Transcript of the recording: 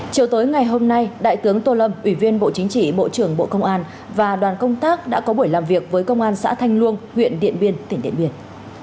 chiều tối ngày hôm nay đại tướng tô lâm ủy viên bộ chính trị bộ trưởng bộ công an và đoàn công tác đã có buổi làm việc với công an xã thanh luông huyện điện biên tỉnh điện biên